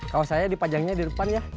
kalau saya dipajangnya di depan ya